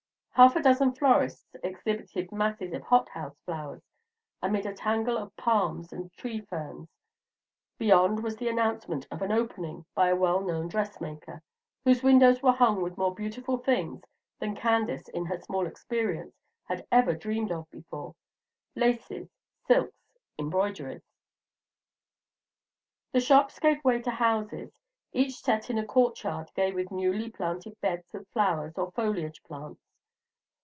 Half a dozen florists exhibited masses of hot house flowers amid a tangle of palms and tree ferns; beyond was the announcement of an "opening" by a well known dressmaker, whose windows were hung with more beautiful things than Candace in her small experience had ever dreamed of before, laces, silks, embroideries. The shops gave way to houses, each set in a court yard gay with newly planted beds of flowers or foliage plants.